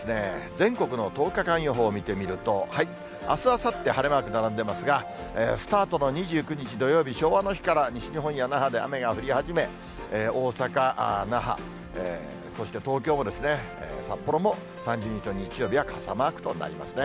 全国の１０日間予報見てみると、あす、あさって晴れマーク並んでますが、スタートの２９日土曜日、昭和の日から西日本や那覇で雨が降り始め、大阪、那覇、そして東京もですね、札幌も３０日日曜日は傘マークとなりますね。